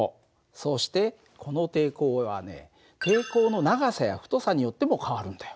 そしてこの抵抗はね抵抗の長さや太さによっても変わるんだよ。